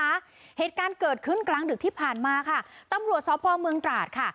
เหตุการณ์เกิดขึ้นกลางดึกที่ผ่านมาค่ะตำรวจสพเมืองตราดค่ะ